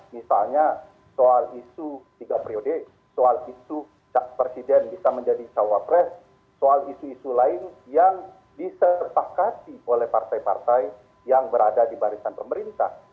misalnya soal isu tiga periode soal isu presiden bisa menjadi cawapres soal isu isu lain yang disertai oleh partai partai yang berada di barisan pemerintah